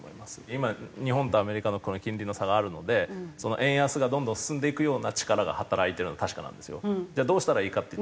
今日本とアメリカのこの金利の差があるので円安がどんどん進んでいくような力が働いてるのは確かなんですよ。どうしたらいいかっていったら。